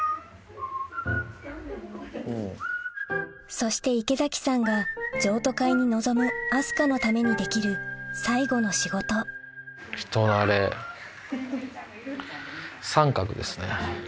そして池崎さんが譲渡会に臨む明日香のためにできる最後の仕事三角ですね。